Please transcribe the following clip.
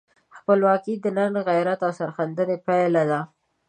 خپلواکي د ننګ، غیرت او سرښندنې پایله ده.